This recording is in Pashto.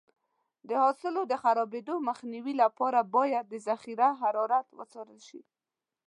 د حاصل د خرابېدو مخنیوي لپاره باید د ذخیره حرارت وڅارل شي.